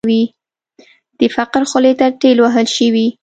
د فقر خولې ته ټېل وهل شوې.